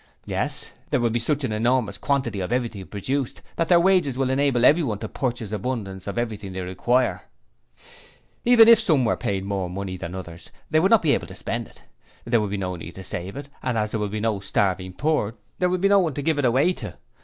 'Yes: there will be such an enormous quantity of everything produced, that their wages will enable everyone to purchase abundance of everything they require. Even if some were paid more than others they would not be able to spend it. There would be no need to save it, and as there will be no starving poor, there will be no one to give it away to.